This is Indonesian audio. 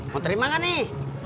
mau terima kan nih